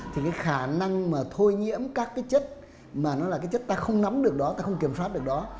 thì cái khả năng mà thôi nhiễm các cái chất mà nó là cái chất ta không nắm được đó ta không kiểm soát được đó